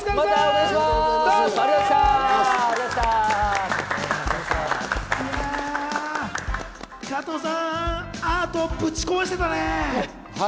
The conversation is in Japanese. どうも加藤さん、アートをぶち壊していたね。